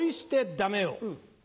ダメよ。